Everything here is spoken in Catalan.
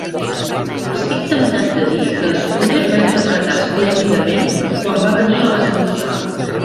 Estic temptat de dir que Scudder va interpretar esplèndidament quan va venir a l'esmorzar.